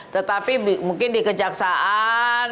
tetapi mungkin di kejaksaan